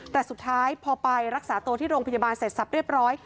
แต่สุดท้ายพอไปรักษาตัวที่โรงพยาบาลเสร็จสับเรียบร้อย